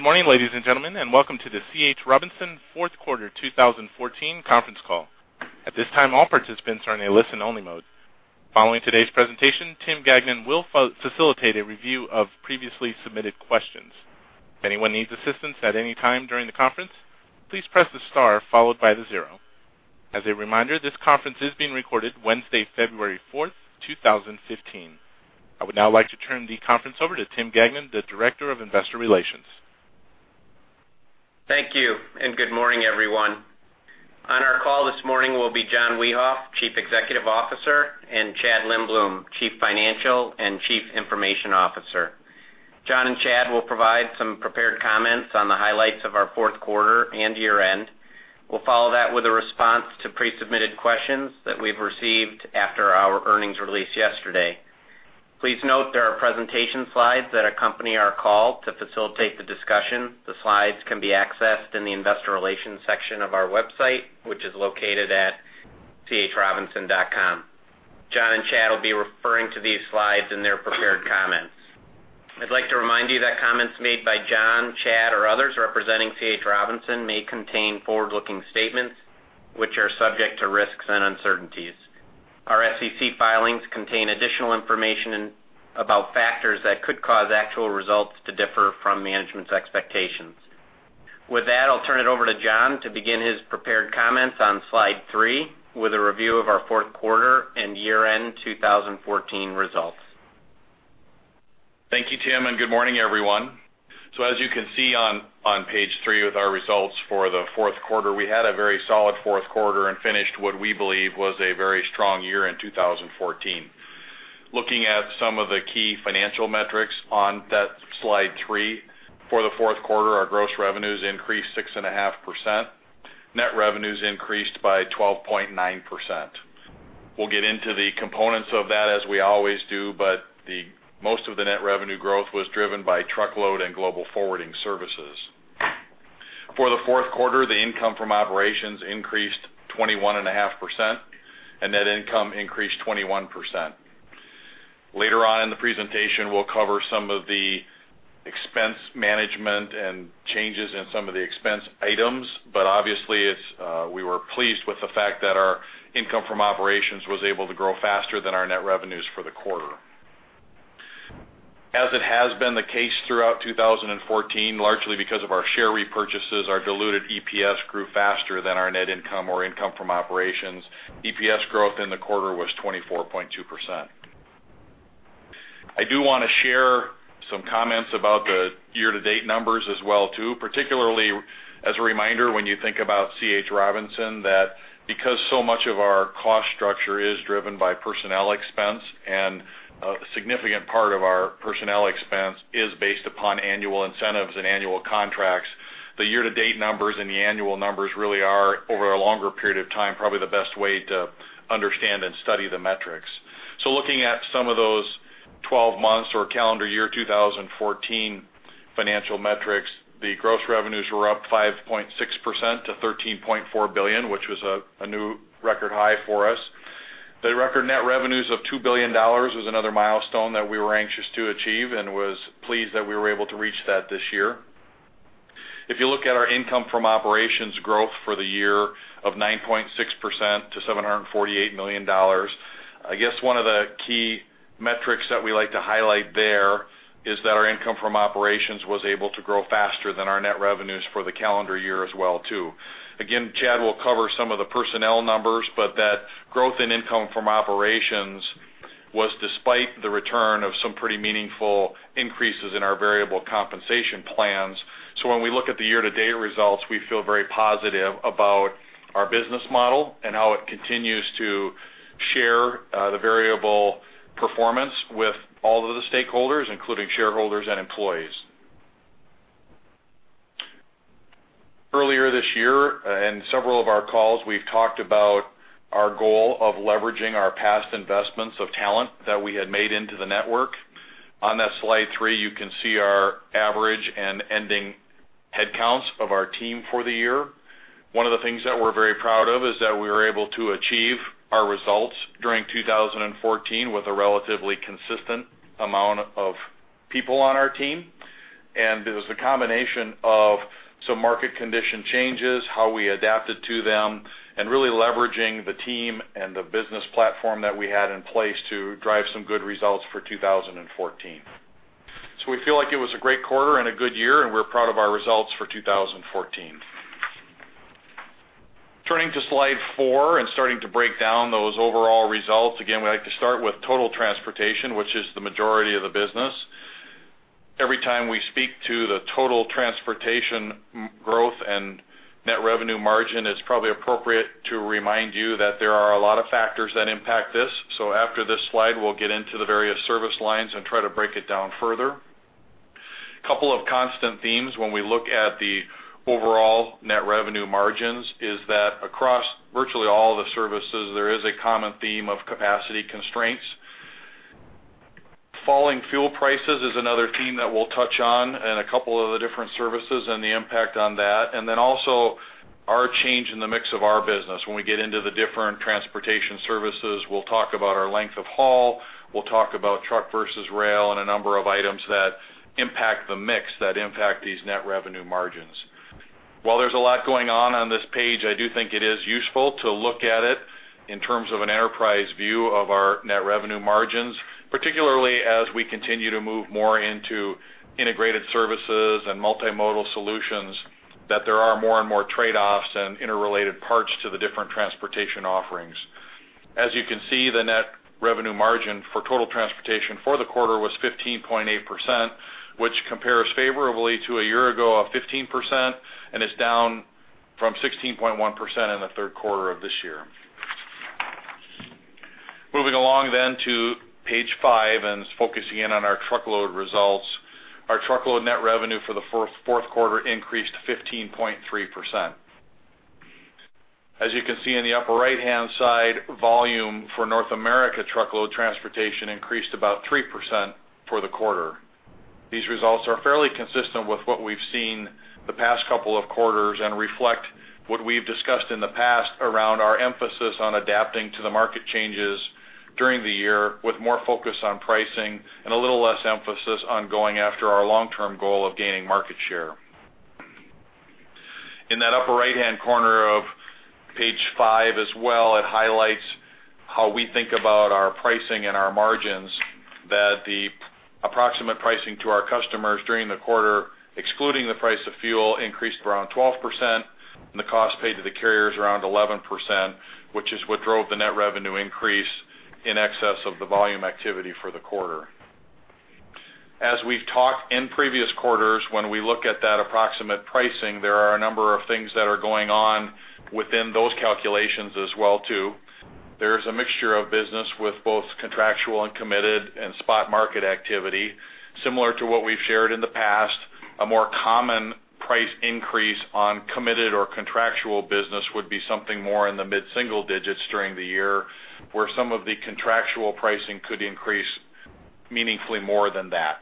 Good morning, ladies and gentlemen, welcome to the C. H. Robinson fourth quarter 2014 conference call. At this time, all participants are in a listen-only mode. Following today's presentation, Tim Gagnon will facilitate a review of previously submitted questions. If anyone needs assistance at any time during the conference, please press the star followed by 0. As a reminder, this conference is being recorded Wednesday, February 4, 2015. I would now like to turn the conference over to Tim Gagnon, the Director of Investor Relations. Thank you. Good morning, everyone. On our call this morning will be John Wiehoff, Chief Executive Officer, and Chad Lindbloom, Chief Financial and Chief Information Officer. John and Chad will provide some prepared comments on the highlights of our fourth quarter and year-end. We'll follow that with a response to pre-submitted questions that we've received after our earnings release yesterday. Please note there are presentation slides that accompany our call to facilitate the discussion. The slides can be accessed in the investor relations section of our website, which is located at chrobinson.com. John and Chad will be referring to these slides in their prepared comments. I'd like to remind you that comments made by John, Chad, or others representing C. H. Robinson may contain forward-looking statements which are subject to risks and uncertainties. Our SEC filings contain additional information about factors that could cause actual results to differ from management's expectations. With that, I'll turn it over to John to begin his prepared comments on Slide 3 with a review of our fourth quarter and year-end 2014 results. Thank you, Tim. Good morning, everyone. As you can see on Page 3 with our results for the fourth quarter, we had a very solid fourth quarter and finished what we believe was a very strong year in 2014. Looking at some of the key financial metrics on that Slide 3, for the fourth quarter, our gross revenues increased 6.5%. Net revenues increased by 12.9%. We'll get into the components of that as we always do, but most of the net revenue growth was driven by truckload and global forwarding services. For the fourth quarter, the income from operations increased 21.5%, and net income increased 21%. Later on in the presentation, we'll cover some of the expense management and changes in some of the expense items. Obviously, we were pleased with the fact that our income from operations was able to grow faster than our net revenues for the quarter. As it has been the case throughout 2014, largely because of our share repurchases, our diluted EPS grew faster than our net income or income from operations. EPS growth in the quarter was 24.2%. I do want to share some comments about the year-to-date numbers as well, too. Particularly, as a reminder, when you think about C. H. Robinson, that because so much of our cost structure is driven by personnel expense, and a significant part of our personnel expense is based upon annual incentives and annual contracts, the year-to-date numbers and the annual numbers really are, over a longer period of time, probably the best way to understand and study the metrics. Looking at some of those 12 months or calendar year 2014 financial metrics, the gross revenues were up 5.6% to $13.4 billion, which was a new record high for us. The record net revenues of $2 billion was another milestone that we were anxious to achieve and was pleased that we were able to reach that this year. If you look at our income from operations growth for the year of 9.6% to $748 million, I guess one of the key metrics that we like to highlight there is that our income from operations was able to grow faster than our net revenues for the calendar year as well, too. Again, Chad will cover some of the personnel numbers, but that growth in income from operations was despite the return of some pretty meaningful increases in our variable compensation plans. When we look at the year-to-date results, we feel very positive about our business model and how it continues to share the variable performance with all of the stakeholders, including shareholders and employees. Earlier this year, in several of our calls, we've talked about our goal of leveraging our past investments of talent that we had made into the network. On that Slide three, you can see our average and ending headcounts of our team for the year. One of the things that we're very proud of is that we were able to achieve our results during 2014 with a relatively consistent amount of people on our team. It was a combination of some market condition changes, how we adapted to them, and really leveraging the team and the business platform that we had in place to drive some good results for 2014. We feel like it was a great quarter and a good year, and we're proud of our results for 2014. Turning to Slide four and starting to break down those overall results. We like to start with total transportation, which is the majority of the business. Every time we speak to the total transportation growth and net revenue margin, it's probably appropriate to remind you that there are a lot of factors that impact this. After this slide, we'll get into the various service lines and try to break it down further. Couple of constant themes when we look at the overall net revenue margins is that across virtually all of the services, there is a common theme of capacity constraints. Falling fuel prices is another theme that we'll touch on in a couple of the different services and the impact on that. Our change in the mix of our business. When we get into the different transportation services, we'll talk about our length of haul, we'll talk about truck versus rail, and a number of items that impact the mix, that impact these net revenue margins. While there's a lot going on on this page, I do think it is useful to look at it in terms of an enterprise view of our net revenue margins, particularly as we continue to move more into integrated services and multimodal solutions, that there are more and more trade-offs and interrelated parts to the different transportation offerings. As you can see, the net revenue margin for total transportation for the quarter was 15.8%, which compares favorably to a year ago of 15%, and is down from 16.1% in the third quarter of this year. Moving along to Page 5 and focusing in on our truckload results. Our truckload net revenue for the fourth quarter increased to 15.3%. As you can see in the upper right-hand side, volume for North America truckload transportation increased about 3% for the quarter. These results are fairly consistent with what we've seen the past couple of quarters and reflect what we've discussed in the past around our emphasis on adapting to the market changes during the year, with more focus on pricing and a little less emphasis on going after our long-term goal of gaining market share. In that upper right-hand corner of Page 5 as well, it highlights how we think about our pricing and our margins, that the approximate pricing to our customers during the quarter, excluding the price of fuel, increased around 12%, and the cost paid to the carriers around 11%, which is what drove the net revenue increase in excess of the volume activity for the quarter. As we've talked in previous quarters, when we look at that approximate pricing, there are a number of things that are going on within those calculations as well, too. There's a mixture of business with both contractual and committed and spot market activity. Similar to what we've shared in the past, a more common price increase on committed or contractual business would be something more in the mid-single digits during the year, where some of the contractual pricing could increase meaningfully more than that.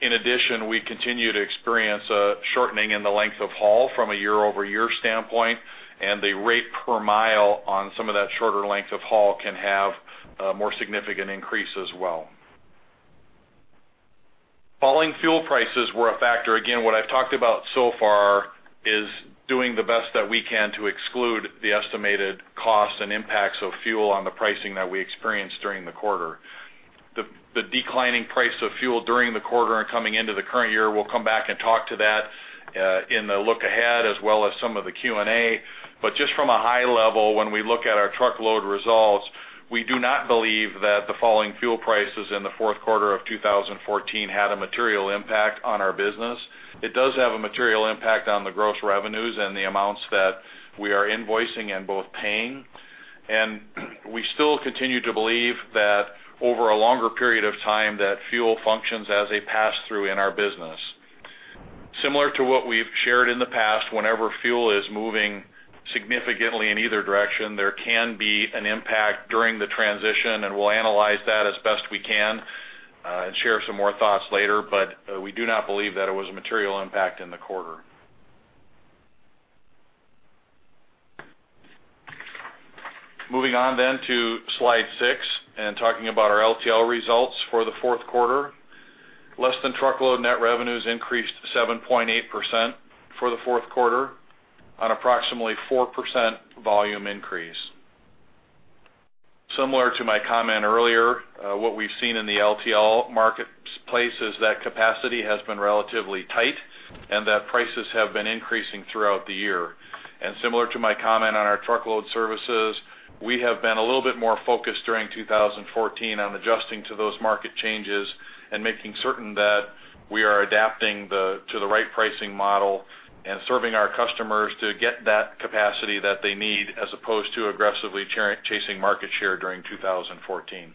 In addition, we continue to experience a shortening in the length of haul from a year-over-year standpoint, and the rate per mile on some of that shorter length of haul can have a more significant increase as well. Falling fuel prices were a factor. Again, what I've talked about so far is doing the best that we can to exclude the estimated cost and impacts of fuel on the pricing that we experienced during the quarter. The declining price of fuel during the quarter and coming into the current year, we'll come back and talk to that in the look ahead as well as some of the Q&A. Just from a high level, when we look at our truckload results, we do not believe that the falling fuel prices in the fourth quarter of 2014 had a material impact on our business. It does have a material impact on the gross revenues and the amounts that we are invoicing and both paying. We still continue to believe that over a longer period of time, that fuel functions as a pass-through in our business. Similar to what we've shared in the past, whenever fuel is moving significantly in either direction, there can be an impact during the transition, and we'll analyze that as best we can and share some more thoughts later. We do not believe that it was a material impact in the quarter. Moving on to Slide 6 and talking about our LTL results for the fourth quarter. Less than truckload net revenues increased 7.8% for the fourth quarter on approximately 4% volume increase. Similar to my comment earlier, what we've seen in the LTL marketplace is that capacity has been relatively tight and that prices have been increasing throughout the year. Similar to my comment on our truckload services, we have been a little bit more focused during 2014 on adjusting to those market changes and making certain that we are adapting to the right pricing model and serving our customers to get that capacity that they need, as opposed to aggressively chasing market share during 2014.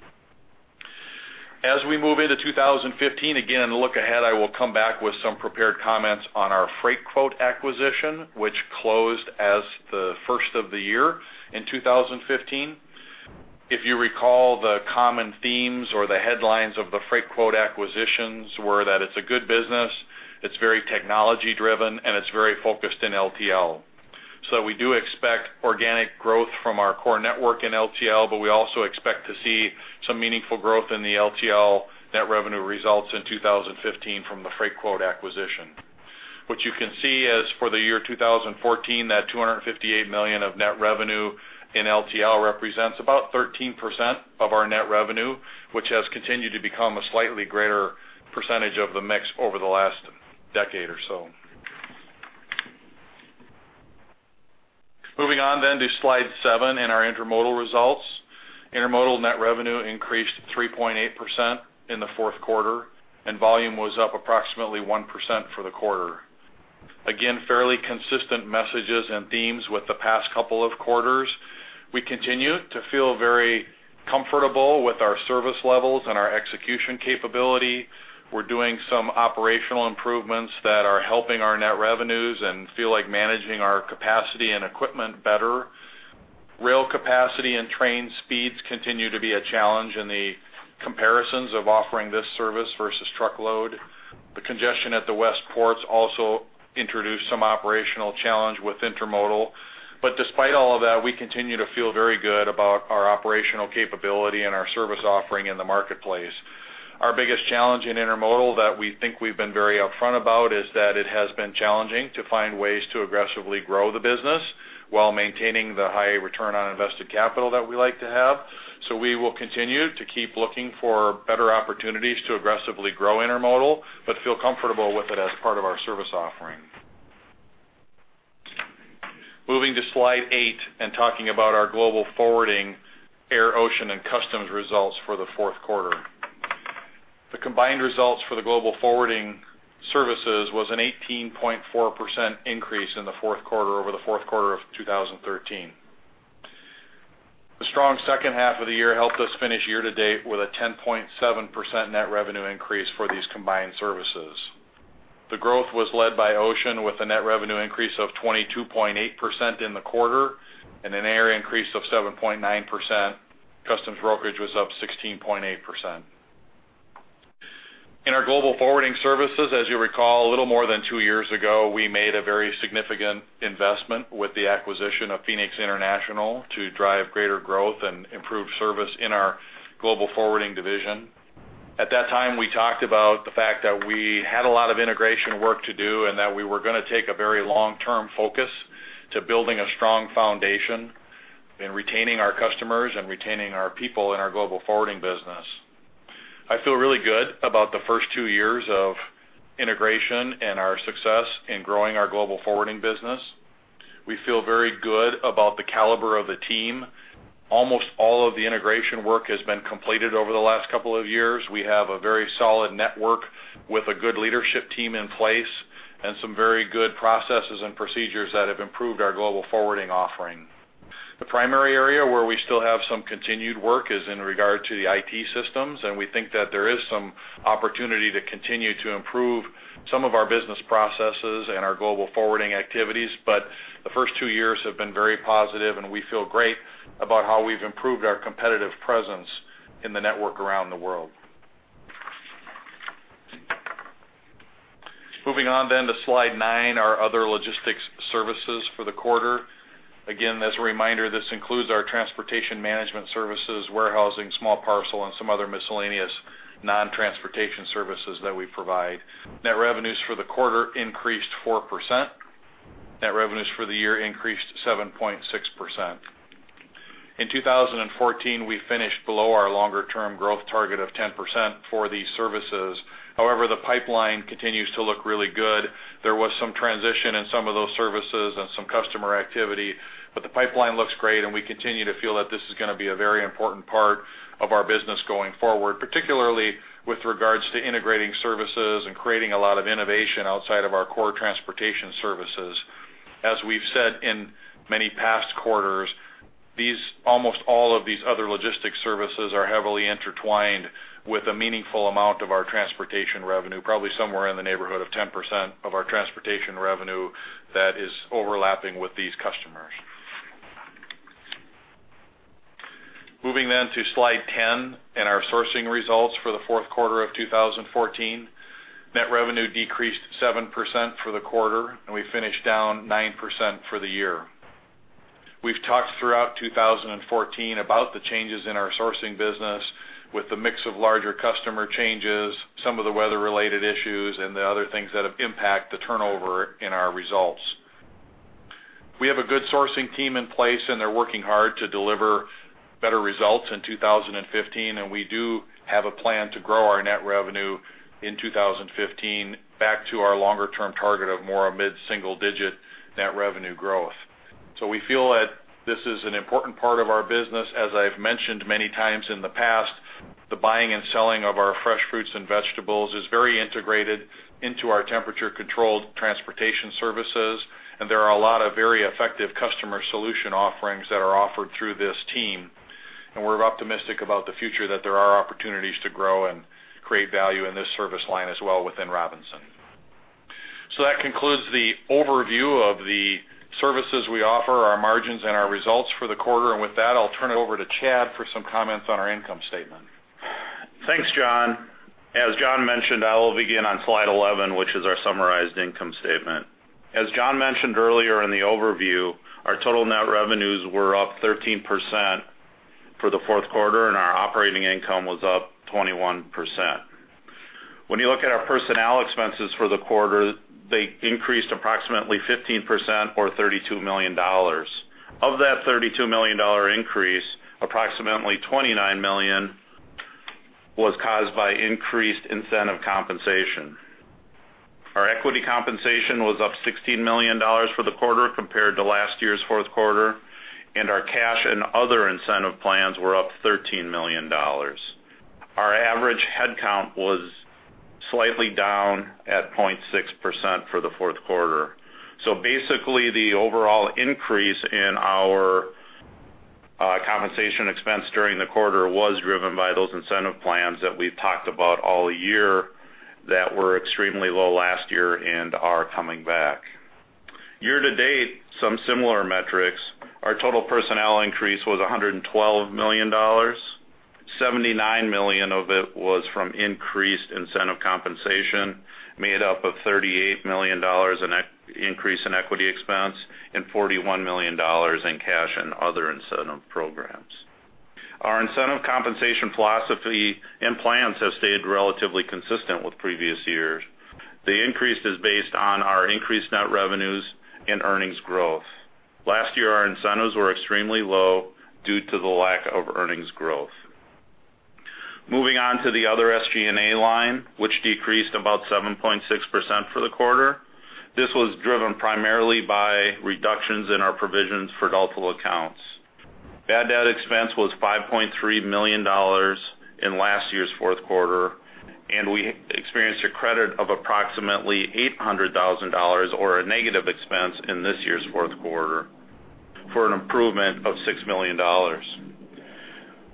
As we move into 2015, again, the look ahead, I will come back with some prepared comments on our Freightquote acquisition, which closed as the first of the year in 2015. If you recall, the common themes or the headlines of the Freightquote acquisitions were that it's a good business, it's very technology-driven, and it's very focused in LTL. We do expect organic growth from our core network in LTL, but we also expect to see some meaningful growth in the LTL net revenue results in 2015 from the Freightquote acquisition. What you can see is for the year 2014, that $258 million of net revenue in LTL represents about 13% of our net revenue, which has continued to become a slightly greater percentage of the mix over the last decade or so. Moving on to Slide 7 and our intermodal results. Intermodal net revenue increased 3.8% in the fourth quarter, and volume was up approximately 1% for the quarter. Again, fairly consistent messages and themes with the past couple of quarters. We continue to feel very comfortable with our service levels and our execution capability. We're doing some operational improvements that are helping our net revenues and feel like managing our capacity and equipment better. Rail capacity and train speeds continue to be a challenge in the comparisons of offering this service versus truckload. The congestion at the West ports also introduced some operational challenge with intermodal. Despite all of that, we continue to feel very good about our operational capability and our service offering in the marketplace. Our biggest challenge in intermodal that we think we've been very upfront about is that it has been challenging to find ways to aggressively grow the business while maintaining the high return on invested capital that we like to have. We will continue to keep looking for better opportunities to aggressively grow intermodal, but feel comfortable with it as part of our service offering. Moving to Slide 8 and talking about our global forwarding, air, ocean, and customs results for the fourth quarter. The combined results for the global forwarding services was an 18.4% increase in the fourth quarter over the fourth quarter of 2013. The strong second half of the year helped us finish year to date with a 10.7% net revenue increase for these combined services. The growth was led by ocean with a net revenue increase of 22.8% in the quarter and an air increase of 7.9%. Customs brokerage was up 16.8%. In our global forwarding services, as you recall, a little more than two years ago, we made a very significant investment with the acquisition of Phoenix International to drive greater growth and improve service in our global forwarding division. At that time, we talked about the fact that we had a lot of integration work to do and that we were going to take a very long-term focus to building a strong foundation in retaining our customers and retaining our people in our global forwarding business. I feel really good about the first two years of integration and our success in growing our global forwarding business. We feel very good about the caliber of the team. Almost all of the integration work has been completed over the last couple of years. We have a very solid network with a good leadership team in place and some very good processes and procedures that have improved our global forwarding offering. The primary area where we still have some continued work is in regard to the IT systems, and we think that there is some opportunity to continue to improve some of our business processes and our global forwarding activities. The first two years have been very positive, and we feel great about how we've improved our competitive presence in the network around the world. Moving on then to Slide nine, our other logistics services for the quarter. Again, as a reminder, this includes our transportation management services, warehousing, small parcel, and some other miscellaneous non-transportation services that we provide. Net revenues for the quarter increased 4%. Net revenues for the year increased 7.6%. In 2014, we finished below our longer-term growth target of 10% for these services. However, the pipeline continues to look really good. There was some transition in some of those services and some customer activity, but the pipeline looks great, and we continue to feel that this is going to be a very important part of our business going forward, particularly with regards to integrating services and creating a lot of innovation outside of our core transportation services. As we've said in many past quarters, almost all of these other logistics services are heavily intertwined with a meaningful amount of our transportation revenue, probably somewhere in the neighborhood of 10% of our transportation revenue that is overlapping with these customers. Moving then to Slide 10 and our sourcing results for the fourth quarter of 2014. Net revenue decreased 7% for the quarter, and we finished down 9% for the year. We've talked throughout 2014 about the changes in our sourcing business with the mix of larger customer changes, some of the weather-related issues, and the other things that have impacted the turnover in our results. We have a good sourcing team in place, and they're working hard to deliver better results in 2015, we do have a plan to grow our net revenue in 2015 back to our longer-term target of more mid-single-digit net revenue growth. We feel that this is an important part of our business. As I've mentioned many times in the past, the buying and selling of our fresh fruits and vegetables is very integrated into our temperature-controlled transportation services, there are a lot of very effective customer solution offerings that are offered through this team. We're optimistic about the future that there are opportunities to grow and create value in this service line as well within Robinson. That concludes the overview of the services we offer, our margins, and our results for the quarter. With that, I'll turn it over to Chad for some comments on our income statement. Thanks, John. As John mentioned, I will begin on Slide 11, which is our summarized income statement. As John mentioned earlier in the overview, our total net revenues were up 13% for the fourth quarter, our operating income was up 21%. When you look at our personnel expenses for the quarter, they increased approximately 15% or $32 million. Of that $32 million increase, approximately $29 million was caused by increased incentive compensation. Our equity compensation was up $16 million for the quarter compared to last year's fourth quarter, our cash and other incentive plans were up $13 million. Our average headcount was slightly down at 0.6% for the fourth quarter. Basically, the overall increase in our Compensation expense during the quarter was driven by those incentive plans that we've talked about all year that were extremely low last year and are coming back. Year-to-date, some similar metrics. Our total personnel increase was $112 million. $79 million of it was from increased incentive compensation, made up of $38 million in increase in equity expense and $41 million in cash and other incentive programs. Our incentive compensation philosophy and plans have stayed relatively consistent with previous years. The increase is based on our increased net revenues and earnings growth. Last year, our incentives were extremely low due to the lack of earnings growth. Moving on to the other SG&A line, which decreased about 7.6% for the quarter. This was driven primarily by reductions in our provisions for doubtful accounts. Bad debt expense was $5.3 million in last year's fourth quarter, we experienced a credit of approximately $800,000, or a negative expense, in this year's fourth quarter, for an improvement of $6 million.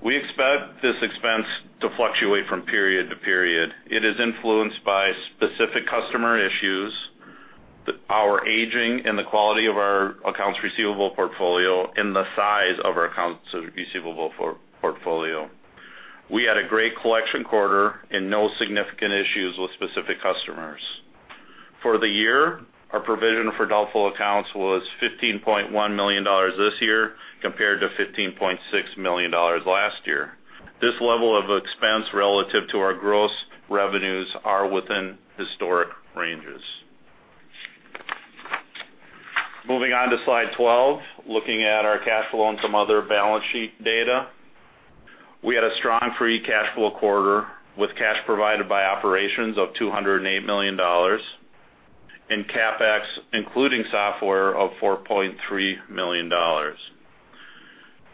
We expect this expense to fluctuate from period to period. It is influenced by specific customer issues, our aging and the quality of our accounts receivable portfolio, and the size of our accounts receivable portfolio. We had a great collection quarter and no significant issues with specific customers. For the year, our provision for doubtful accounts was $15.1 million this year compared to $15.6 million last year. This level of expense relative to our gross revenues are within historic ranges. Moving on to slide 12, looking at our cash flow and some other balance sheet data. We had a strong free cash flow quarter, with cash provided by operations of $208 million and CapEx, including software, of $4.3 million.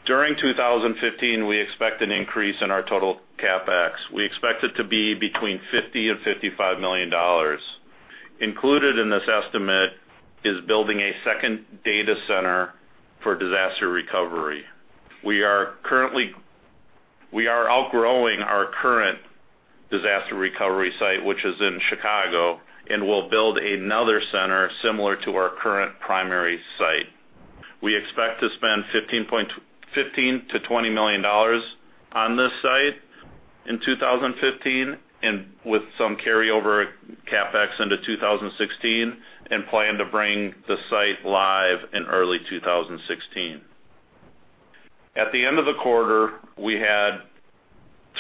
During 2015, we expect an increase in our total CapEx. We expect it to be between $50 million-$55 million. Included in this estimate is building a second data center for disaster recovery. We are outgrowing our current disaster recovery site, which is in Chicago, and we'll build another center similar to our current primary site. We expect to spend $15 million-$20 million on this site in 2015, and with some carryover CapEx into 2016, and plan to bring the site live in early 2016. At the end of the quarter, we had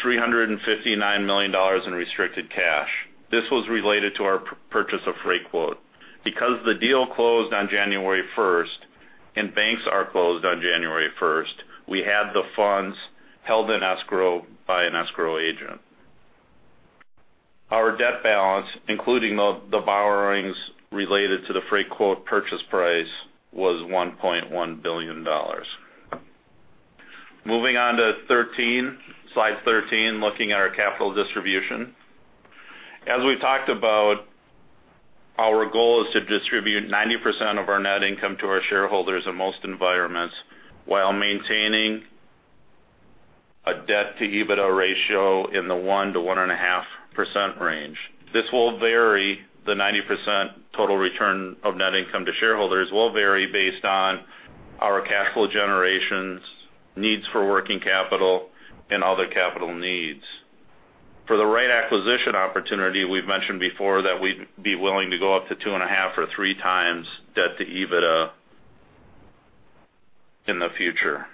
$359 million in restricted cash. This was related to our purchase of Freightquote.com Inc. Because the deal closed on January 1st and banks are closed on January 1st, we had the funds held in escrow by an escrow agent. Our debt balance, including the borrowings related to the Freightquote.com Inc. purchase price, was $1.1 billion. Moving on to slide 13, looking at our capital distribution. As we talked about, our goal is to distribute 90% of our net income to our shareholders in most environments while maintaining a debt-to-EBITDA ratio in the 1%-1.5% range. The 90% total return of net income to shareholders will vary based on our cash flow generations, needs for working capital, and other capital needs. For the right acquisition opportunity, we've mentioned before that we'd be willing to go up to 2.5 or 3 times debt to EBITDA in the future.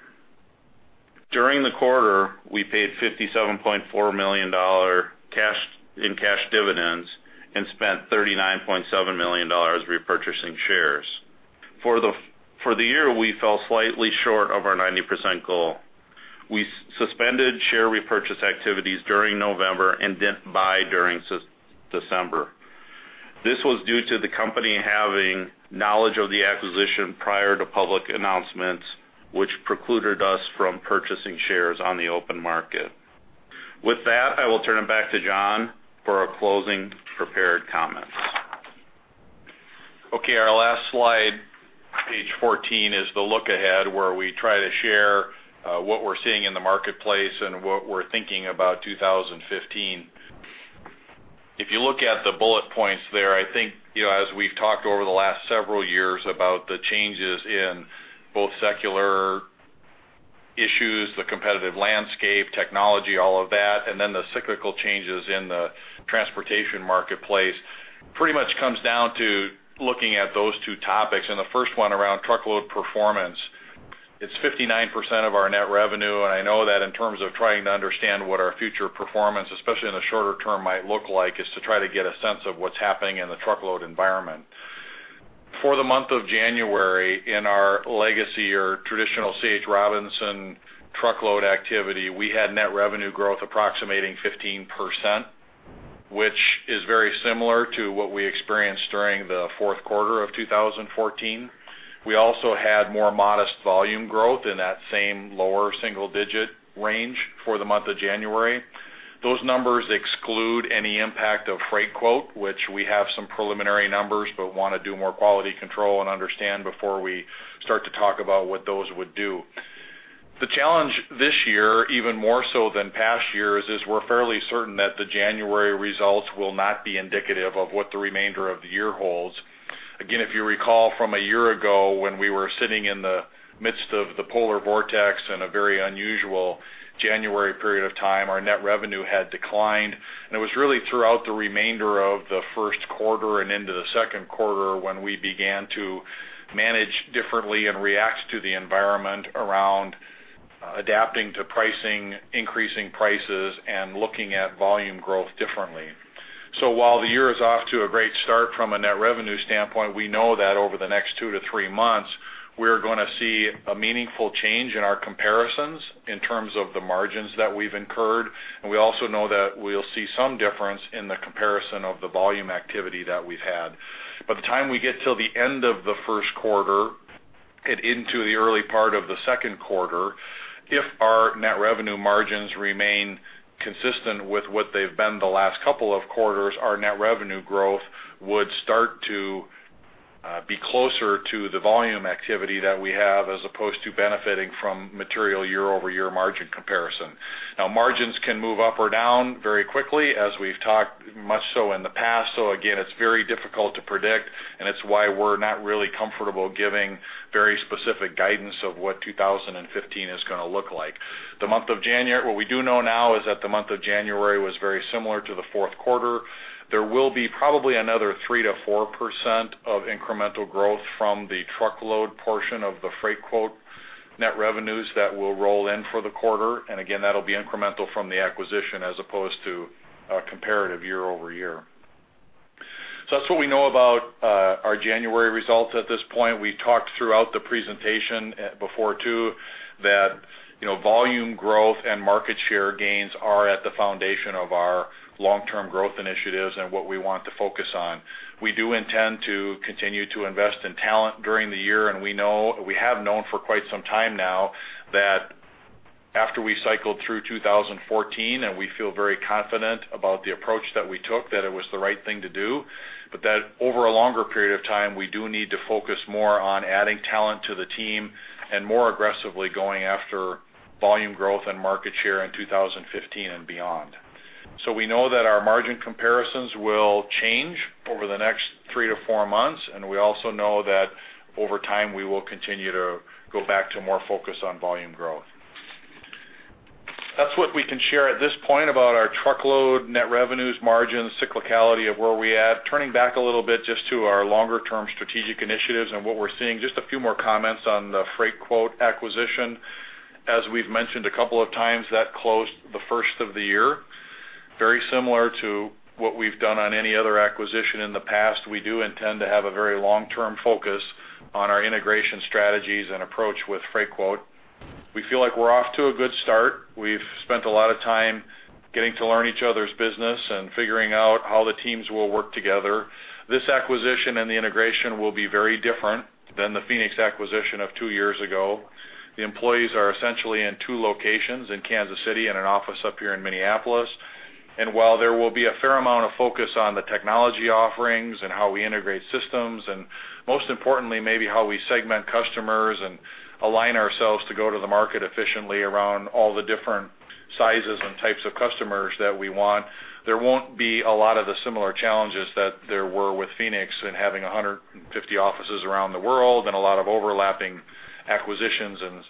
During the quarter, we paid $57.4 million in cash dividends and spent $39.7 million repurchasing shares. For the year, we fell slightly short of our 90% goal. We suspended share repurchase activities during November and didn't buy during December. This was due to the company having knowledge of the acquisition prior to public announcements, which precluded us from purchasing shares on the open market. With that, I will turn it back to John for our closing prepared comments. Okay. Our last slide, page 14, is the look ahead where we try to share what we're seeing in the marketplace and what we're thinking about 2015. If you look at the bullet points there, I think as we've talked over the last several years about the changes in both secular issues, the competitive landscape, technology, all of that, then the cyclical changes in the transportation marketplace, pretty much comes down to looking at those two topics. The first one around truckload performance. It's 59% of our net revenue, and I know that in terms of trying to understand what our future performance, especially in the shorter term might look like, is to try to get a sense of what's happening in the truckload environment. For the month of January, in our legacy or traditional C.H. Robinson truckload activity, we had net revenue growth approximating 15%, which is very similar to what we experienced during the fourth quarter of 2014. We also had more modest volume growth in that same lower single-digit range for the month of January. Those numbers exclude any impact of Freightquote, which we have some preliminary numbers, but want to do more quality control and understand before we start to talk about what those would do. The challenge this year, even more so than past years, is we're fairly certain that the January results will not be indicative of what the remainder of the year holds. Again, if you recall from a year ago when we were sitting in the midst of the polar vortex and a very unusual January period of time, our net revenue had declined, and it was really throughout the remainder of the first quarter and into the second quarter when we began to manage differently and react to the environment around adapting to pricing, increasing prices, and looking at volume growth differently. While the year is off to a great start from a net revenue standpoint, we know that over the next two to three months, we are going to see a meaningful change in our comparisons in terms of the margins that we've incurred. We also know that we'll see some difference in the comparison of the volume activity that we've had. By the time we get to the end of the first quarter and into the early part of the second quarter, if our net revenue margins remain consistent with what they've been the last couple of quarters, our net revenue growth would start to be closer to the volume activity that we have, as opposed to benefiting from material year-over-year margin comparison. Now, margins can move up or down very quickly, as we've talked much so in the past. Again, it's very difficult to predict, and it's why we're not really comfortable giving very specific guidance of what 2015 is going to look like. What we do know now is that the month of January was very similar to the fourth quarter. There will be probably another 3% to 4% of incremental growth from the truckload portion of the Freightquote net revenues that will roll in for the quarter. Again, that'll be incremental from the acquisition as opposed to comparative year-over-year. That's what we know about our January results at this point. We talked throughout the presentation before, too, that volume growth and market share gains are at the foundation of our long-term growth initiatives and what we want to focus on. We do intend to continue to invest in talent during the year, and we have known for quite some time now that after we cycled through 2014, and we feel very confident about the approach that we took, that it was the right thing to do, but that over a longer period of time, we do need to focus more on adding talent to the team and more aggressively going after volume growth and market share in 2015 and beyond. We know that our margin comparisons will change over the next three to four months, and we also know that over time, we will continue to go back to more focus on volume growth. That's what we can share at this point about our truckload net revenues, margins, cyclicality of where we're at. Turning back a little bit just to our longer-term strategic initiatives and what we're seeing, just a few more comments on the Freightquote acquisition. As we've mentioned a couple of times, that closed the first of the year. Very similar to what we've done on any other acquisition in the past, we do intend to have a very long-term focus on our integration strategies and approach with Freightquote. We feel like we're off to a good start. We've spent a lot of time getting to learn each other's business and figuring out how the teams will work together. This acquisition and the integration will be very different than the Phoenix acquisition of two years ago. The employees are essentially in two locations, in Kansas City and an office up here in Minneapolis. While there will be a fair amount of focus on the technology offerings and how we integrate systems, and most importantly, maybe how we segment customers and align ourselves to go to the market efficiently around all the different sizes and types of customers that we want, there won't be a lot of the similar challenges that there were with Phoenix and having 150 offices around the world and a lot of overlapping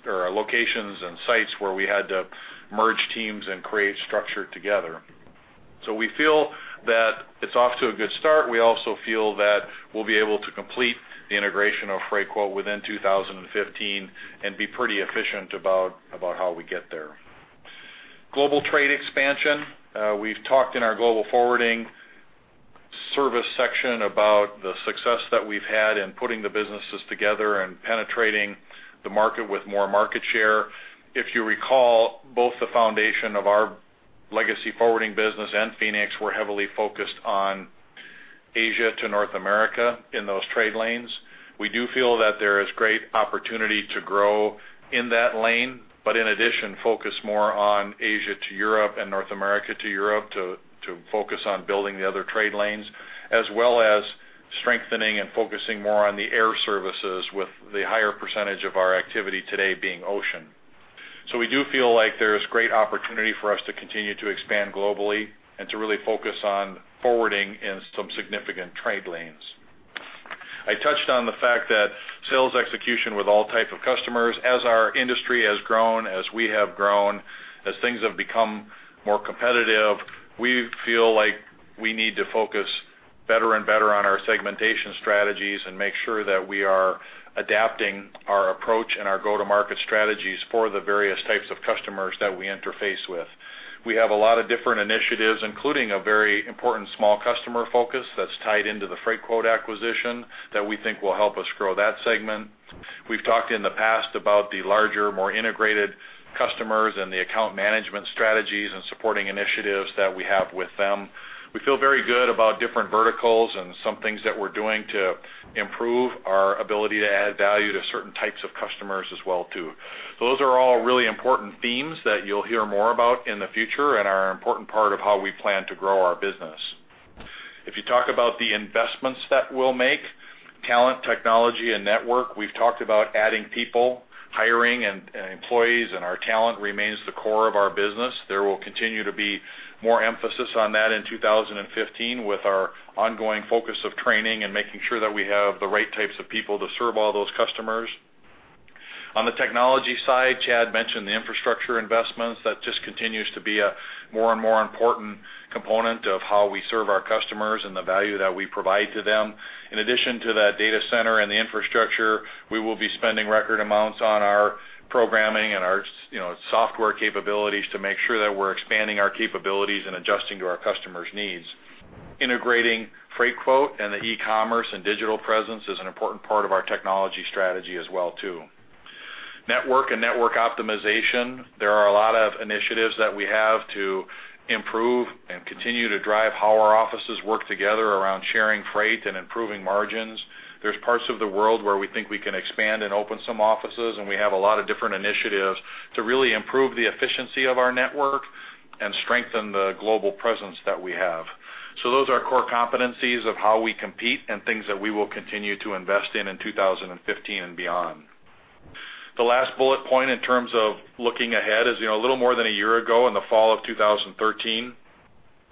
locations and sites where we had to merge teams and create structure together. We feel that it's off to a good start. We also feel that we'll be able to complete the integration of Freightquote within 2015 and be pretty efficient about how we get there. Global trade expansion. We've talked in our global forwarding service section about the success that we've had in putting the businesses together and penetrating the market with more market share. If you recall, both the foundation of our legacy forwarding business and Phoenix were heavily focused on Asia to North America in those trade lanes. We do feel that there is great opportunity to grow in that lane, but in addition, focus more on Asia to Europe and North America to Europe to focus on building the other trade lanes, as well as strengthening and focusing more on the air services with the higher percentage of our activity today being ocean. We do feel like there's great opportunity for us to continue to expand globally and to really focus on forwarding in some significant trade lanes. I touched on the fact that sales execution with all type of customers, as our industry has grown, as we have grown, as things have become more competitive, we feel like we need to focus better and better on our segmentation strategies and make sure that we are adapting our approach and our go-to-market strategies for the various types of customers that we interface with. We have a lot of different initiatives, including a very important small customer focus that's tied into the Freightquote acquisition that we think will help us grow that segment. We've talked in the past about the larger, more integrated customers and the account management strategies and supporting initiatives that we have with them. We feel very good about different verticals and some things that we're doing to improve our ability to add value to certain types of customers as well, too. Those are all really important themes that you'll hear more about in the future and are an important part of how we plan to grow our business. If you talk about the investments that we'll make, talent, technology, and network, we've talked about adding people, hiring employees, and our talent remains the core of our business. There will continue to be more emphasis on that in 2015 with our ongoing focus on training and making sure that we have the right types of people to serve all those customers. On the technology side, Chad mentioned the infrastructure investments. That just continues to be a more and more important component of how we serve our customers and the value that we provide to them. In addition to that data center and the infrastructure, we will be spending record amounts on our programming and our software capabilities to make sure that we're expanding our capabilities and adjusting to our customers' needs. Integrating Freightquote and the e-commerce and digital presence is an important part of our technology strategy as well, too. Network and network optimization, there are a lot of initiatives that we have to improve and continue to drive how our offices work together around sharing freight and improving margins. There's parts of the world where we think we can expand and open some offices, and we have a lot of different initiatives to really improve the efficiency of our network and strengthen the global presence that we have. Those are core competencies of how we compete and things that we will continue to invest in in 2015 and beyond. The last bullet point in terms of looking ahead is a little more than a year ago, in the fall of 2013,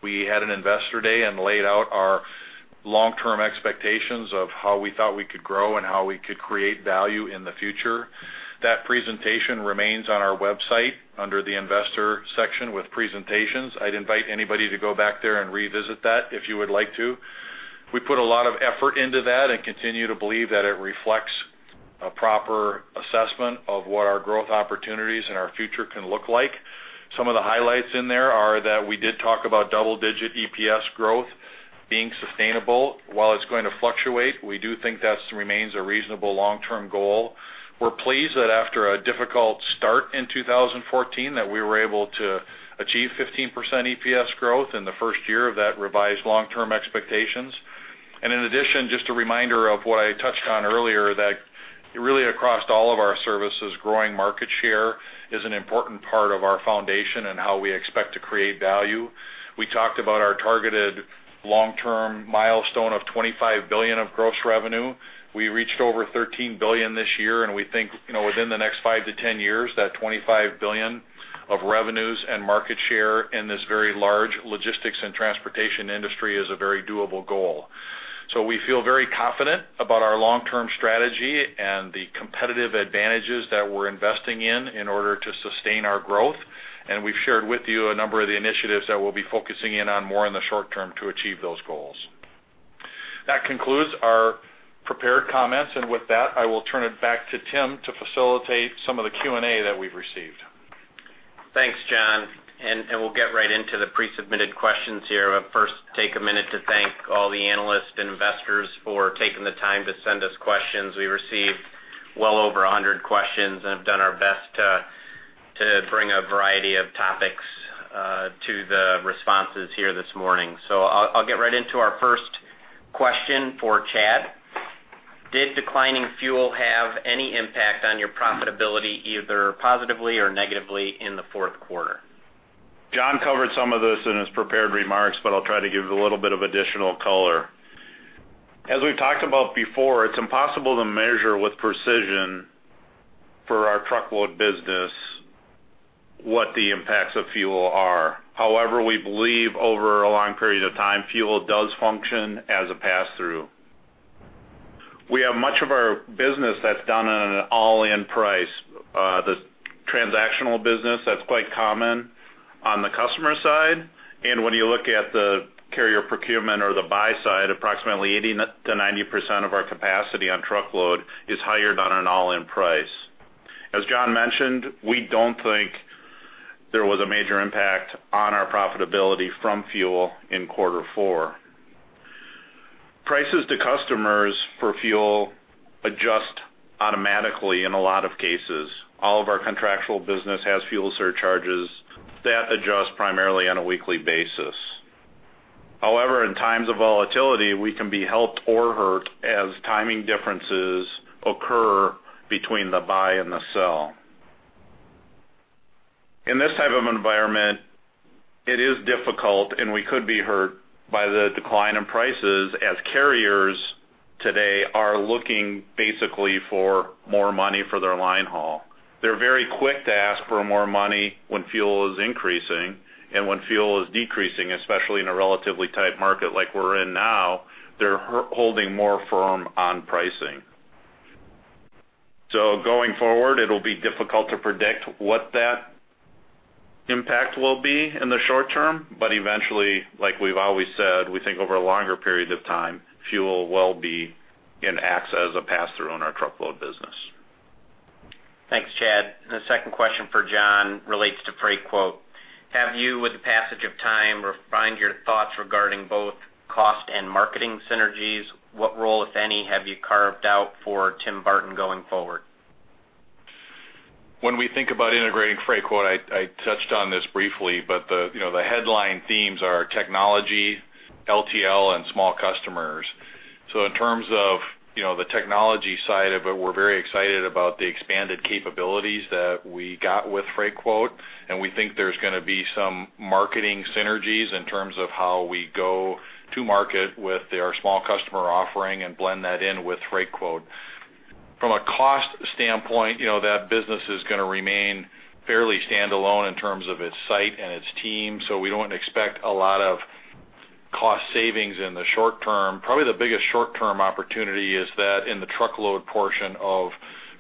we had an investor day and laid out our long-term expectations of how we thought we could grow and how we could create value in the future. That presentation remains on our website under the investor section with presentations. I'd invite anybody to go back there and revisit that if you would like to. We put a lot of effort into that and continue to believe that it reflects a proper assessment of what our growth opportunities and our future can look like. Some of the highlights in there are that we did talk about double-digit EPS growth being sustainable. While it's going to fluctuate, we do think that remains a reasonable long-term goal. We're pleased that after a difficult start in 2014, that we were able to achieve 15% EPS growth in the first year of that revised long-term expectations. In addition, just a reminder of what I touched on earlier, that really across all of our services, growing market share is an important part of our foundation and how we expect to create value. We talked about our targeted long-term milestone of $25 billion of gross revenue. We reached over $13 billion this year, and we think within the next five to 10 years, that $25 billion of revenues and market share in this very large logistics and transportation industry is a very doable goal. We feel very confident about our long-term strategy and the competitive advantages that we're investing in in order to sustain our growth. We've shared with you a number of the initiatives that we'll be focusing in on more in the short term to achieve those goals. That concludes our prepared comments. With that, I will turn it back to Tim to facilitate some of the Q&A that we've received. Thanks, John, we'll get right into the pre-submitted questions here. First, take a minute to thank all the analysts and investors for taking the time to send us questions. We received well over 100 questions and have done our best to bring a variety of topics to the responses here this morning. I'll get right into our first question for Chad. Did declining fuel have any impact on your profitability, either positively or negatively in the fourth quarter? John covered some of this in his prepared remarks, I'll try to give a little bit of additional color. As we've talked about before, it's impossible to measure with precision for our truckload business what the impacts of fuel are. However, we believe over a long period of time, fuel does function as a pass-through. We have much of our business that's done on an all-in price. The transactional business, that's quite common on the customer side. When you look at the carrier procurement or the buy side, approximately 80%-90% of our capacity on truckload is hired on an all-in price. As John mentioned, we don't think there was a major impact on our profitability from fuel in Q4. Prices to customers for fuel adjust automatically in a lot of cases. All of our contractual business has fuel surcharges that adjust primarily on a weekly basis. In times of volatility, we can be helped or hurt as timing differences occur between the buy and the sell. In this type of environment, it is difficult, and we could be hurt by the decline in prices as carriers today are looking basically for more money for their line haul. They're very quick to ask for more money when fuel is increasing, and when fuel is decreasing, especially in a relatively tight market like we're in now, they're holding more firm on pricing. Going forward, it'll be difficult to predict what that impact will be in the short term. Eventually, like we've always said, we think over longer periods of time, fuel will be and acts as a pass-through in our truckload business. Thanks, Chad. The second question for John relates to Freightquote. Have you, with the passage of time, refined your thoughts regarding both cost and marketing synergies? What role, if any, have you carved out for Tim Barton going forward? When we think about integrating Freightquote, I touched on this briefly, but the headline themes are technology, LTL, and small customers. In terms of the technology side of it, we're very excited about the expanded capabilities that we got with Freightquote, and we think there's going to be some marketing synergies in terms of how we go to market with their small customer offering and blend that in with Freightquote. From a cost standpoint, that business is going to remain fairly standalone in terms of its site and its team. We don't expect a lot of cost savings in the short term. Probably the biggest short-term opportunity is that in the truckload portion of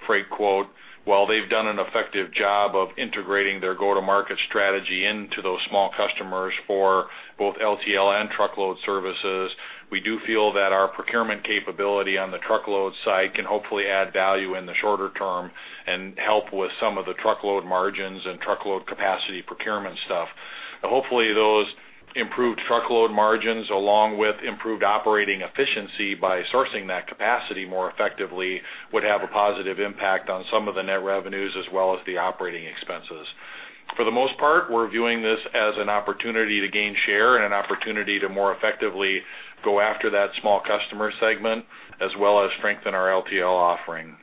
Freightquote, while they've done an effective job of integrating their go-to-market strategy into those small customers for both LTL and truckload services, we do feel that our procurement capability on the truckload side can hopefully add value in the shorter term and help with some of the truckload margins and truckload capacity procurement stuff. Hopefully, those improved truckload margins, along with improved operating efficiency by sourcing that capacity more effectively, would have a positive impact on some of the net revenues as well as the operating expenses. For the most part, we're viewing this as an opportunity to gain share and an opportunity to more effectively go after that small customer segment, as well as strengthen our LTL offering.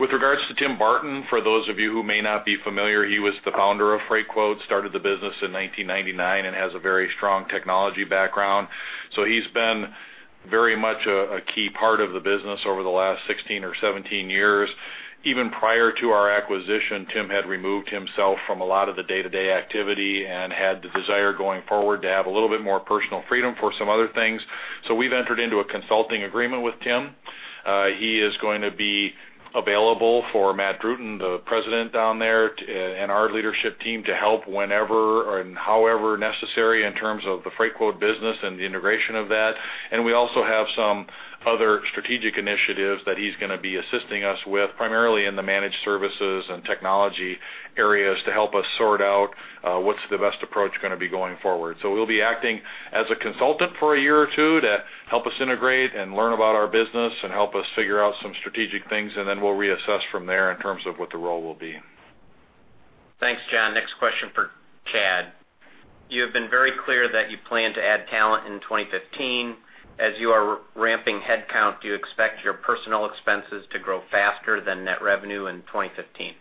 With regards to Tim Barton, for those of you who may not be familiar, he was the founder of Freightquote, started the business in 1999 and has a very strong technology background. He's been very much a key part of the business over the last 16 or 17 years. Even prior to our acquisition, Tim had removed himself from a lot of the day-to-day activity and had the desire going forward to have a little bit more personal freedom for some other things. We've entered into a consulting agreement with Tim. He is going to be available for Matt Druten, the president down there, and our leadership team to help whenever and however necessary in terms of the Freightquote business and the integration of that. We also have some other strategic initiatives that he's going to be assisting us with, primarily in the managed services and technology areas, to help us sort out what's the best approach going to be going forward. He'll be acting as a consultant for a year or two to help us integrate and learn about our business and help us figure out some strategic things, and then we'll reassess from there in terms of what the role will be. Thanks, John. Next question for Chad. You have been very clear that you plan to add talent in 2015. As you are ramping headcount, do you expect your personnel expenses to grow faster than net revenue in 2015?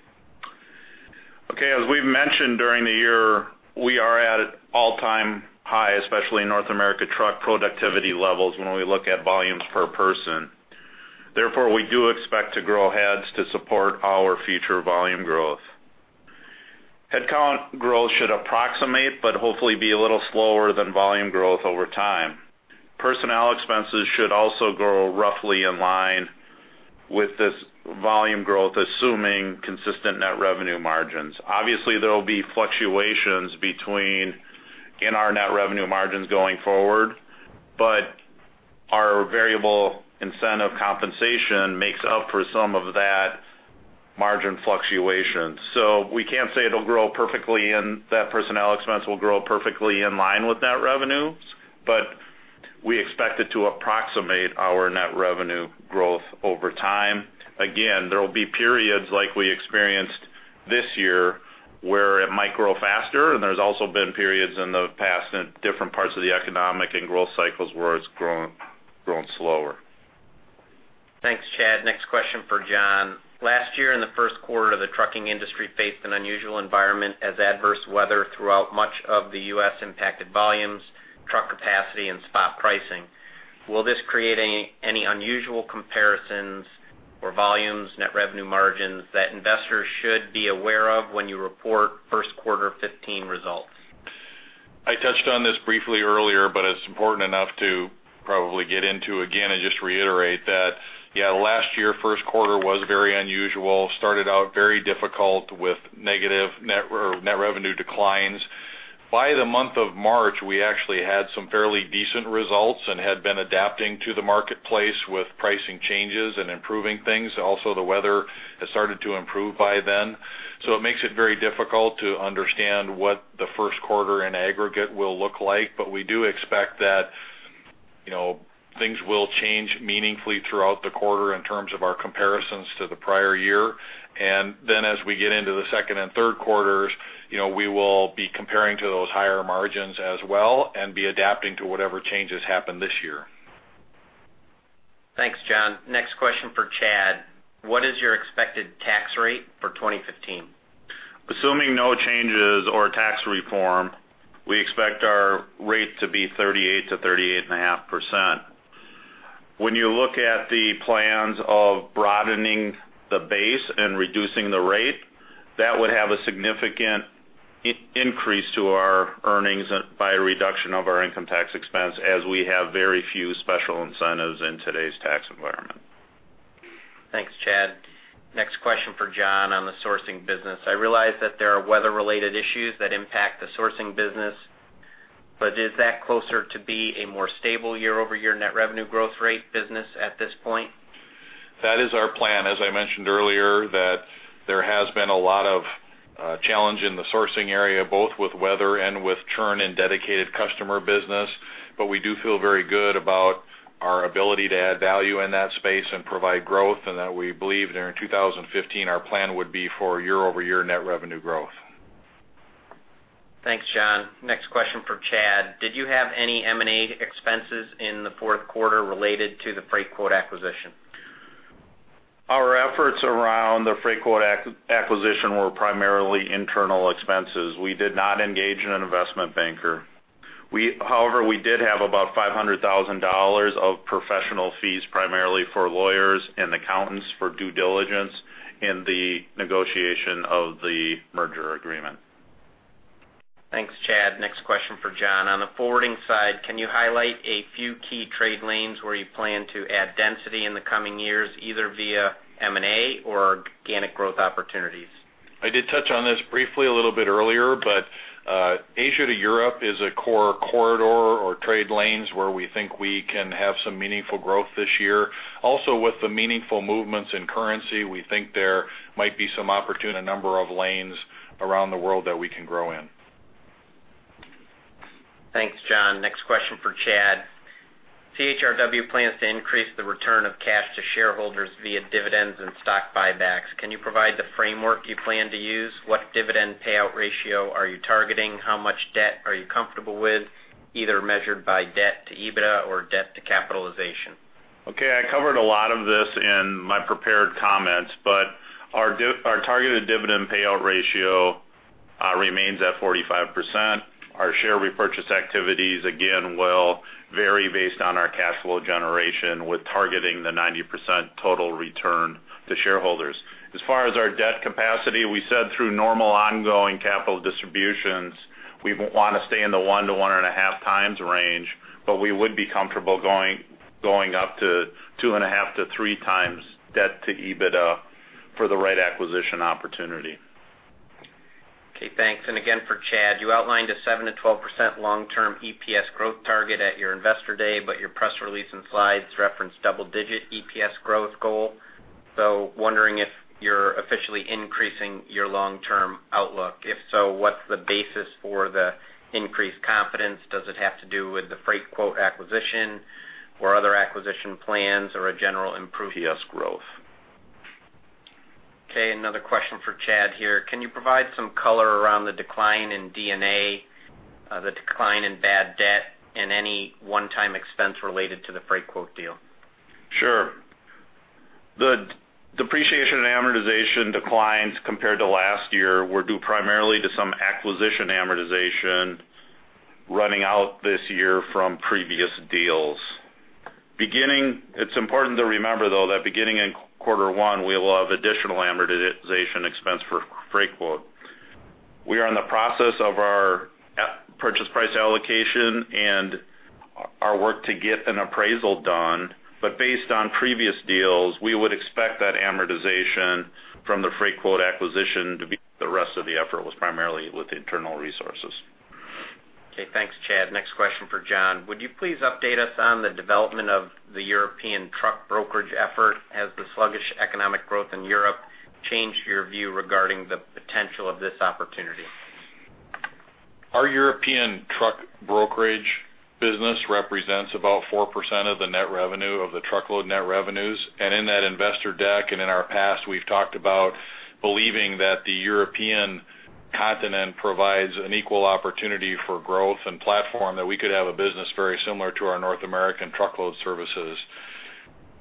Okay. As we've mentioned during the year, we are at an all-time high, especially in North America truck productivity levels, when we look at volumes per person. Therefore, we do expect to grow heads to support our future volume growth. Headcount growth should approximate but hopefully be a little slower than volume growth over time. Personnel expenses should also grow roughly in line with this volume growth, assuming consistent net revenue margins. Obviously, there will be fluctuations between in our net revenue margins going forward, but our variable incentive compensation makes up for some of that margin fluctuation. We can't say it'll grow perfectly and that personnel expense will grow perfectly in line with net revenues, but we expect it to approximate our net revenue growth over time. there will be periods like we experienced this year where it might grow faster, there's also been periods in the past in different parts of the economic and growth cycles where it's grown slower. Thanks, Chad. Next question for John. Last year, in the first quarter, the trucking industry faced an unusual environment as adverse weather throughout much of the U.S. impacted volumes, truck capacity, and spot pricing. Will this create any unusual comparisons for volumes, net revenue margins that investors should be aware of when you report first quarter 2015 results? I touched on this briefly earlier, it's important enough to probably get into again and just reiterate that, yeah, last year, first quarter was very unusual. Started out very difficult with net revenue declines. By the month of March, we actually had some fairly decent results and had been adapting to the marketplace with pricing changes and improving things. Also, the weather had started to improve by then. it makes it very difficult to understand what the first quarter in aggregate will look like. we do expect that things will change meaningfully throughout the quarter in terms of our comparisons to the prior year. as we get into the second and third quarters, we will be comparing to those higher margins as well and be adapting to whatever changes happen this year. Thanks, John. Next question for Chad. What is your expected tax rate for 2015? Assuming no changes or tax reform, we expect our rate to be 38%-38.5%. When you look at the plans of broadening the base and reducing the rate, that would have a significant increase to our earnings by a reduction of our income tax expense, as we have very few special incentives in today's tax environment. Thanks, Chad. Next question for John on the sourcing business. I realize that there are weather-related issues that impact the sourcing business, but is that closer to be a more stable year-over-year net revenue growth rate business at this point? That is our plan. As I mentioned earlier, that there has been a lot of A challenge in the sourcing area, both with weather and with churn in dedicated customer business. We do feel very good about our ability to add value in that space and provide growth, and that we believe that in 2015, our plan would be for year-over-year net revenue growth. Thanks, John. Next question for Chad. Did you have any M&A expenses in the fourth quarter related to the Freightquote acquisition? Our efforts around the Freightquote acquisition were primarily internal expenses. We did not engage an investment banker. We did have about $500,000 of professional fees, primarily for lawyers and accountants for due diligence in the negotiation of the merger agreement. Thanks, Chad. Next question for John. On the forwarding side, can you highlight a few key trade lanes where you plan to add density in the coming years, either via M&A or organic growth opportunities? I did touch on this briefly a little bit earlier. Asia to Europe is a core corridor or trade lanes where we think we can have some meaningful growth this year. With the meaningful movements in currency, we think there might be some opportune number of lanes around the world that we can grow in. Thanks, John. Next question for Chad. CHRW plans to increase the return of cash to shareholders via dividends and stock buybacks. Can you provide the framework you plan to use? What dividend payout ratio are you targeting? How much debt are you comfortable with, either measured by debt to EBITDA or debt to capitalization? I covered a lot of this in my prepared comments, our targeted dividend payout ratio remains at 45%. Our share repurchase activities, again, will vary based on our cash flow generation, with targeting the 90% total return to shareholders. As far as our debt capacity, we said through normal ongoing capital distributions, we want to stay in the one to one and a half times range, we would be comfortable going up to two and a half to three times debt to EBITDA for the right acquisition opportunity. Thanks. Again, for Chad, you outlined a 7%-12% long-term EPS growth target at your investor day, your press release and slides reference double-digit EPS growth goal. Wondering if you're officially increasing your long-term outlook. If so, what's the basis for the increased confidence? Does it have to do with the Freightquote acquisition or other acquisition plans or a general improved EPS growth? Another question for Chad here. Can you provide some color around the decline in D&A, the decline in bad debt, and any one-time expense related to the Freightquote deal? Sure. The depreciation and amortization declines compared to last year were due primarily to some acquisition amortization running out this year from previous deals. It's important to remember, though, that beginning in quarter one, we will have additional amortization expense for Freightquote. We are in the process of our purchase price allocation and our work to get an appraisal done. Based on previous deals, we would expect that amortization from the Freightquote acquisition to be the rest of the effort was primarily with internal resources. Okay, thanks, Chad. Next question for John. Would you please update us on the development of the European truck brokerage effort as the sluggish economic growth in Europe changed your view regarding the potential of this opportunity? Our European truck brokerage business represents about 4% of the net revenue of the truckload net revenues. In that investor deck, and in our past, we've talked about believing that the European continent provides an equal opportunity for growth and platform that we could have a business very similar to our North American truckload services.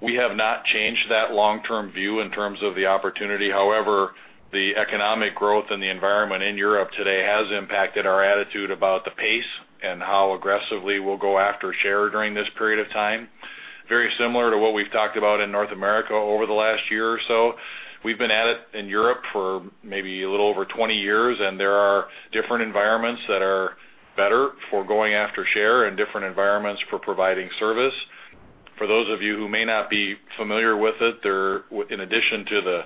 We have not changed that long-term view in terms of the opportunity. However, the economic growth and the environment in Europe today has impacted our attitude about the pace and how aggressively we'll go after share during this period of time. Very similar to what we've talked about in North America over the last year or so, we've been at it in Europe for maybe a little over 20 years, and there are different environments that are better for going after share and different environments for providing service. For those of you who may not be familiar with it, in addition to the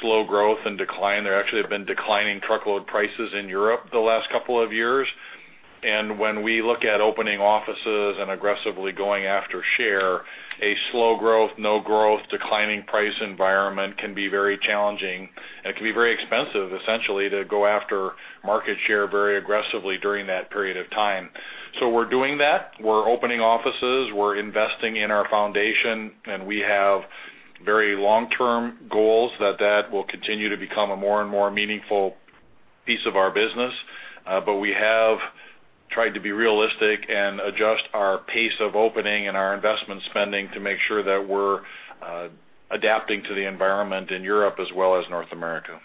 slow growth and decline, there actually have been declining truckload prices in Europe the last couple of years. When we look at opening offices and aggressively going after share, a slow growth, no growth, declining price environment can be very challenging. It can be very expensive, essentially, to go after market share very aggressively during that period of time. We're doing that. We're opening offices, we're investing in our foundation, and we have very long-term goals that that will continue to become a more and more meaningful piece of our business. We have tried to be realistic and adjust our pace of opening and our investment spending to make sure that we're adapting to the environment in Europe as well as North America.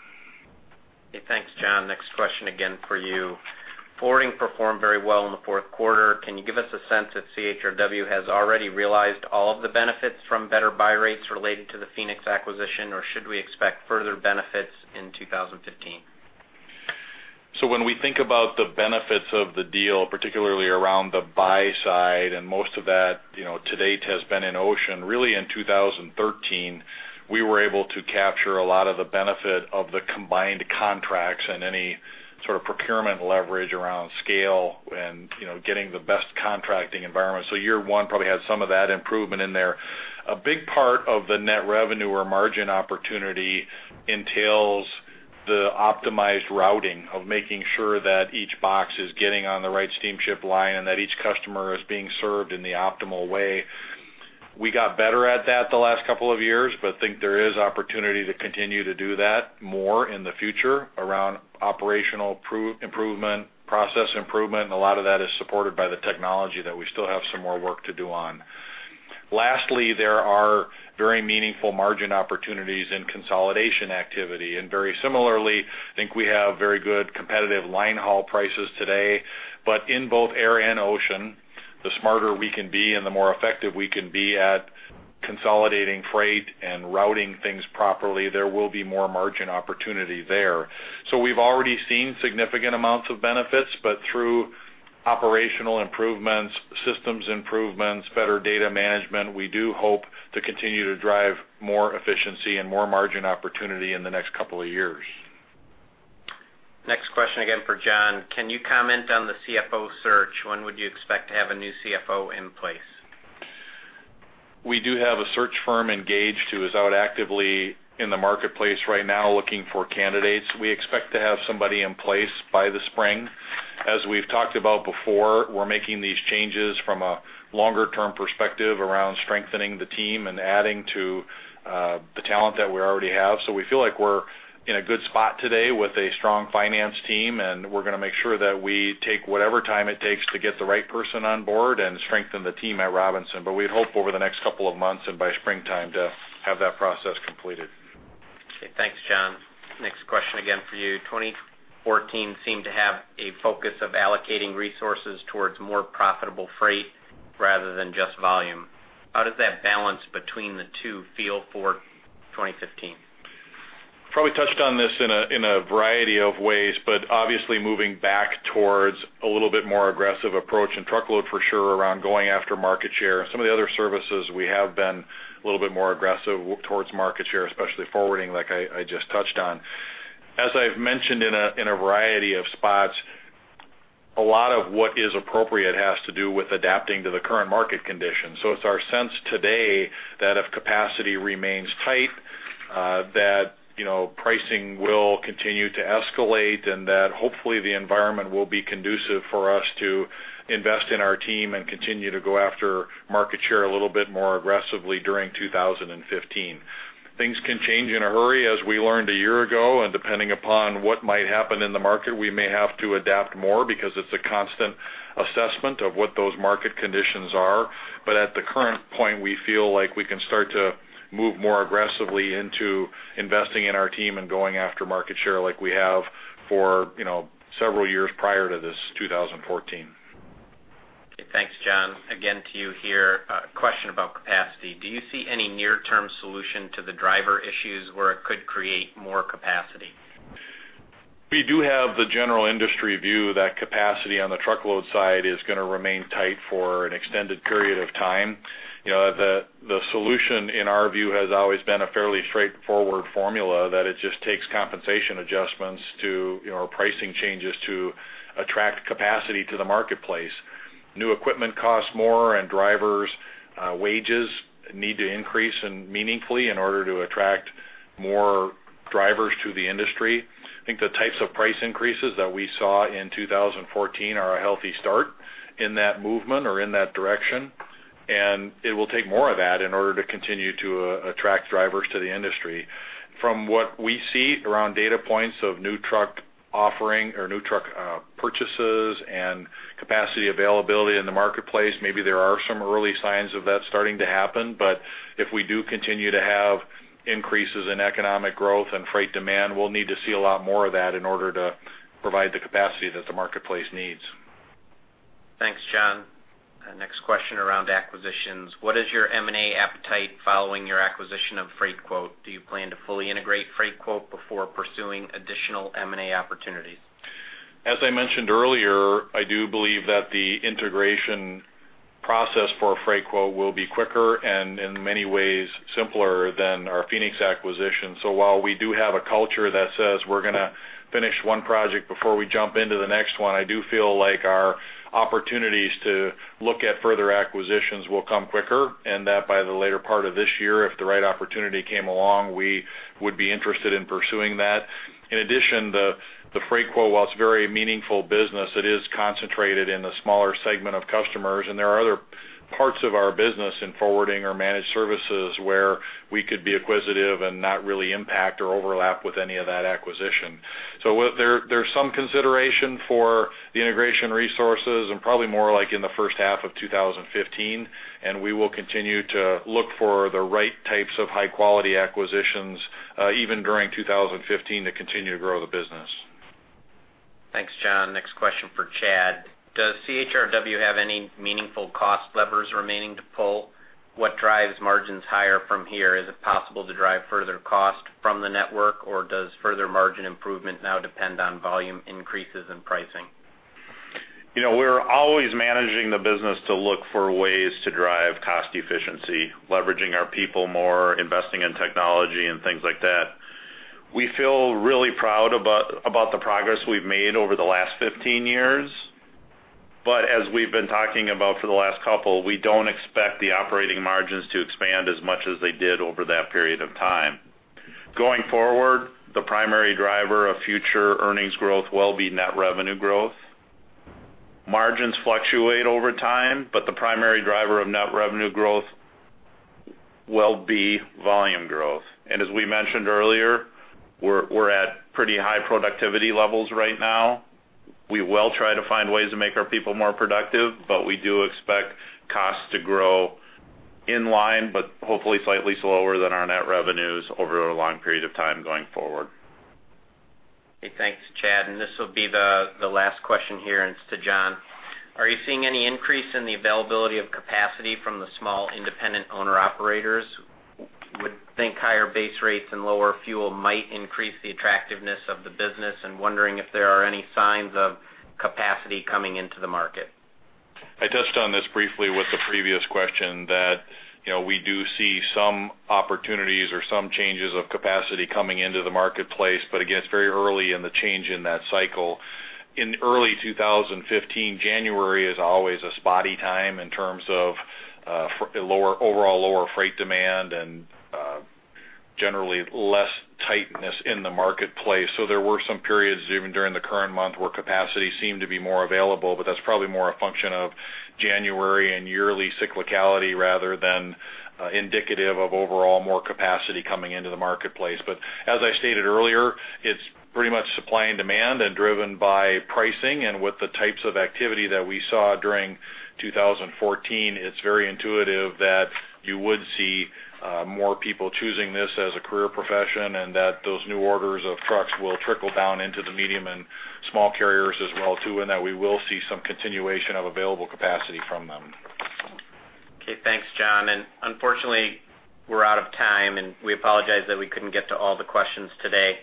Okay, thanks, John. Next question, again, for you. Forwarding performed very well in the fourth quarter. Can you give us a sense if CHRW has already realized all of the benefits from better buy rates related to the Phoenix acquisition, or should we expect further benefits in 2015? When we think about the benefits of the deal, particularly around the buy side, and most of that to date has been in ocean, really in 2013, we were able to capture a lot of the benefit of the combined contracts and any Sort of procurement leverage around scale and getting the best contracting environment. Year one probably had some of that improvement in there. A big part of the net revenue or margin opportunity entails the optimized routing of making sure that each box is getting on the right steamship line and that each customer is being served in the optimal way. We got better at that the last couple of years, but think there is opportunity to continue to do that more in the future around operational improvement, process improvement, and a lot of that is supported by the technology that we still have some more work to do on. Lastly, there are very meaningful margin opportunities in consolidation activity. Very similarly, think we have very good competitive line haul prices today. In both air and ocean, the smarter we can be and the more effective we can be at consolidating freight and routing things properly, there will be more margin opportunity there. We've already seen significant amounts of benefits, but through operational improvements, systems improvements, better data management, we do hope to continue to drive more efficiency and more margin opportunity in the next couple of years. Next question again for John. Can you comment on the CFO search? When would you expect to have a new CFO in place? We do have a search firm engaged who is out actively in the marketplace right now looking for candidates. We expect to have somebody in place by the spring. As we've talked about before, we're making these changes from a longer-term perspective around strengthening the team and adding to the talent that we already have. We feel like we're in a good spot today with a strong finance team, and we're going to make sure that we take whatever time it takes to get the right person on board and strengthen the team at Robinson. We'd hope over the next couple of months and by springtime to have that process completed. Okay. Thanks, John. Next question again for you. 2014 seemed to have a focus of allocating resources towards more profitable freight rather than just volume. How does that balance between the two feel for 2015? Probably touched on this in a variety of ways, obviously moving back towards a little bit more aggressive approach in truckload for sure around going after market share. Some of the other services, we have been a little bit more aggressive towards market share, especially forwarding, like I just touched on. As I've mentioned in a variety of spots, a lot of what is appropriate has to do with adapting to the current market conditions. It's our sense today that if capacity remains tight, that pricing will continue to escalate and that hopefully the environment will be conducive for us to invest in our team and continue to go after market share a little bit more aggressively during 2015. Things can change in a hurry, as we learned a year ago, depending upon what might happen in the market, we may have to adapt more because it's a constant assessment of what those market conditions are. At the current point, we feel like we can start to move more aggressively into investing in our team and going after market share like we have for several years prior to this 2014. Okay. Thanks, John. Again to you here, a question about capacity. Do you see any near-term solution to the driver issues where it could create more capacity? We do have the general industry view that capacity on the truckload side is going to remain tight for an extended period of time. The solution, in our view, has always been a fairly straightforward formula that it just takes compensation adjustments to, or pricing changes to attract capacity to the marketplace. New equipment costs more, and drivers' wages need to increase meaningfully in order to attract more drivers to the industry. I think the types of price increases that we saw in 2014 are a healthy start in that movement or in that direction, and it will take more of that in order to continue to attract drivers to the industry. From what we see around data points of new truck offering or new truck purchases and capacity availability in the marketplace, maybe there are some early signs of that starting to happen. If we do continue to have increases in economic growth and freight demand, we'll need to see a lot more of that in order to provide the capacity that the marketplace needs. Thanks, John. Next question around acquisitions. What is your M&A appetite following your acquisition of Freightquote? Do you plan to fully integrate Freightquote before pursuing additional M&A opportunities? As I mentioned earlier, I do believe that the integration process for Freightquote will be quicker and in many ways simpler than our Phoenix acquisition. While we do have a culture that says we're going to finish one project before we jump into the next one, I do feel like our opportunities to look at further acquisitions will come quicker, and that by the later part of this year, if the right opportunity came along, we would be interested in pursuing that. In addition, the Freightquote, while it's a very meaningful business, it is concentrated in the smaller segment of customers, and there are other parts of our business in forwarding or managed services where we could be acquisitive and not really impact or overlap with any of that acquisition. There's some consideration for the integration resources and probably more like in the first half of 2015, and we will continue to look for the right types of high-quality acquisitions, even during 2015, to continue to grow the business. Thanks, John. Next question for Chad. Does CHRW have any meaningful cost levers remaining to pull? What drives margins higher from here? Is it possible to drive further cost from the network, or does further margin improvement now depend on volume increases and pricing? We're always managing the business to look for ways to drive cost efficiency, leveraging our people more, investing in technology and things like that. We feel really proud about the progress we've made over the last 15 years. As we've been talking about for the last couple, we don't expect the operating margins to expand as much as they did over that period of time. Going forward, the primary driver of future earnings growth will be net revenue growth. Margins fluctuate over time, but the primary driver of net revenue growth will be volume growth. As we mentioned earlier, we're at pretty high productivity levels right now. We will try to find ways to make our people more productive, but we do expect costs to grow in line, but hopefully slightly slower than our net revenues over a long period of time going forward. Okay. Thanks, Chad Lindbloom. This will be the last question here, and it's to John. Are you seeing any increase in the availability of capacity from the small independent owner-operators? Would think higher base rates and lower fuel might increase the attractiveness of the business, and wondering if there are any signs of capacity coming into the market. I touched on this briefly with the previous question that we do see some opportunities or some changes of capacity coming into the marketplace, again, it's very early in the change in that cycle. In early 2015, January is always a spotty time in terms of overall lower freight demand and generally less tightness in the marketplace. There were some periods, even during the current month, where capacity seemed to be more available, that's probably more a function of January and yearly cyclicality rather than indicative of overall more capacity coming into the marketplace. As I stated earlier, it's pretty much supply and demand and driven by pricing. With the types of activity that we saw during 2014, it's very intuitive that you would see more people choosing this as a career profession and that those new orders of trucks will trickle down into the medium and small carriers as well too, and that we will see some continuation of available capacity from them. Okay, thanks, John. Unfortunately, we're out of time, and we apologize that we couldn't get to all the questions today.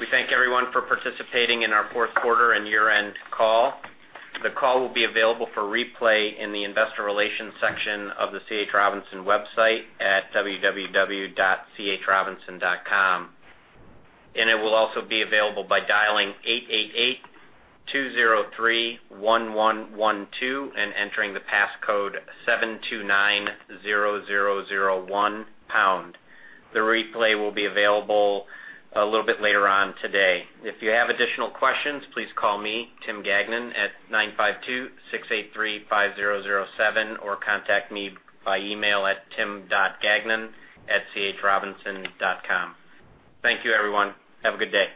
We thank everyone for participating in our fourth quarter and year-end call. The call will be available for replay in the investor relations section of the C. H. Robinson website at www.chrobinson.com. It will also be available by dialing 888-203-1112 and entering the passcode 7290001#. The replay will be available a little bit later on today. If you have additional questions, please call me, Tim Gagnon, at 952-683-5007 or contact me by email at tim.gagnon@chrobinson.com. Thank you everyone. Have a good day.